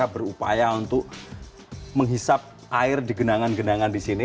berupaya untuk menghisap air di genangan genangan di sini